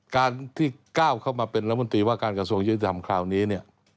การที่ก้าวเข้ามาเป็นรัฐมนตรีว่าการกระทรวงยุติธรรมคราวนี้เนี่ย